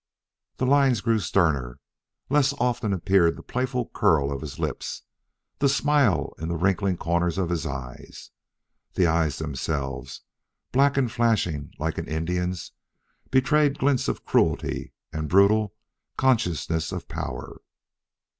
The lines grew sterner. Less often appeared the playful curl of his lips, the smile in the wrinkling corners of his eyes. The eyes themselves, black and flashing, like an Indian's, betrayed glints of cruelty and brutal consciousness of power.